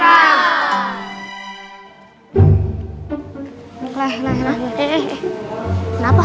nah nah nah